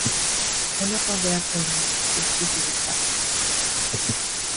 On entendait à peine le bruit du ressac.